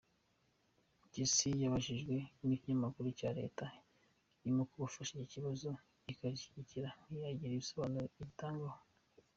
Mpyisi yabajijwe n’abanyamakuru icyo Leta irimo kubafasha, iki kibazo aragikikira, ntiyagira ibisobanuro agitangaho.